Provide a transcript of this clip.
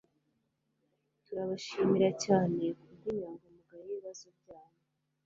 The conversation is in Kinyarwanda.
Turabashimira cyane kubwinyangamugayo yibibazo byanyu